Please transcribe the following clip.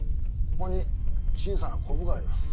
ここに小さなこぶがあります。